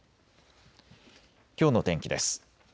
きょうの天気です。